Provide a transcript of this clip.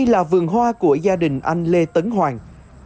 là vườn hoa của gia đình anh lê tấn hoàng